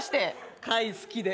貝好きで。